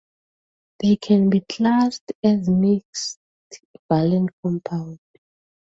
They can be classed as mixed valent compounds.